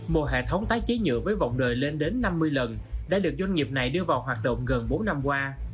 một hệ thống tái chế nhựa với vòng đời lên đến năm mươi lần đã được doanh nghiệp này đưa vào hoạt động gần bốn năm qua